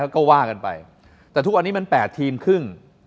ก็ว่ากันไปแต่ทุกวันนี้มัน๘ทีมครึ่ง